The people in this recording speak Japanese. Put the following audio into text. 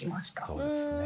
そうですね